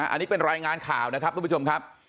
อันนี้เป็นรายงานข่าวนะครับทุกผู้ชมครับ